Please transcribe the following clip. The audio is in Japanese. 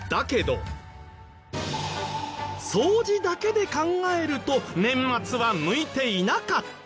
掃除だけで考えると年末は向いていなかった！？